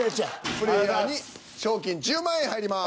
プレイヤーに賞金１０万円入ります。